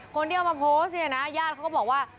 คนที่เอามาโพสต์เนี่ยนะญาติเขาก็บอกว่า